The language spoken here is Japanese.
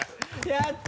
やった！